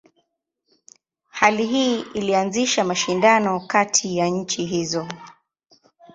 Hali hii ilianzisha mashindano kati ya nchi hizo.